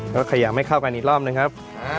ก็ขยับให้เข้ากันอีกรอบหนึ่งครับ